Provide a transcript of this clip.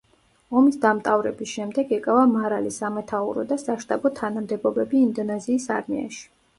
ომის დამტავრების შემდეგ ეკავა მარალი სამეთაურო და საშტაბო თანამდებობები ინდონეზიის არმიაში.